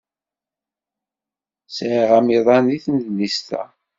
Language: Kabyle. Sɛiɣ amiḍan deg tnedlist-a.